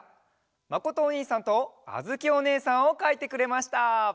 まことおにいさんとあづきおねえさんをかいてくれました！